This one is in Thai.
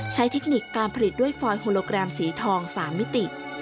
เทคนิคการผลิตด้วยฟอยโฮโลแกรมสีทอง๓มิติ